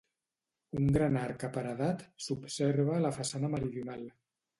Un gran arc aparedat s'observa a la façana meridional.